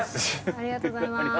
ありがとうございます。